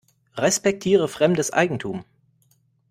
Respektiere fremdes Eigentum.